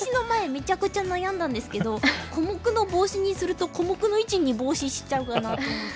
めちゃくちゃ悩んだんですけど「コモクのボウシ」にすると小目の位置にボウシしちゃうかなと思って。